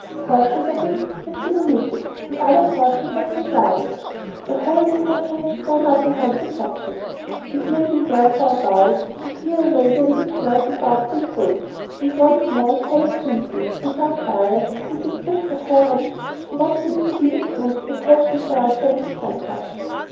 Portions of it have been omitted, and other portions of it have been garbled. A whole literature has grown up around the subject. It may well be worth our while to clear away the ambiguities and the doubtful points, and once more to tell it simply, without bias, and with a strict adherence to what seems to be the truth attested by authentic records.